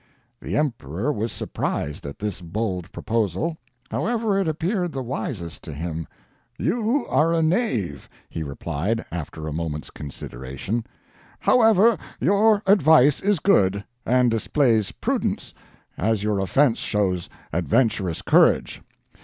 "The Emperor was surprised at this bold proposal, however it appeared the wisest to him; 'You are a knave,' he replied after a moment's consideration, 'however your advice is good, and displays prudence, as your offense shows adventurous courage.